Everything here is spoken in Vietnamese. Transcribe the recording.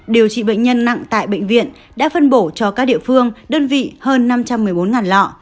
điều trị bệnh nhân nặng tại bệnh viện đã phân bổ cho các địa phương đơn vị hơn năm trăm một mươi bốn lọ